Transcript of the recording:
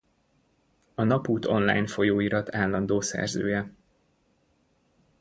A Napút Online folyóirat állandó szerzője.